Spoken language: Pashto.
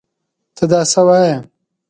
تۀ دا څه وايې ؟